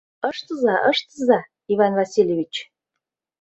Ыштыза, ыштыза, Иван Васильевич...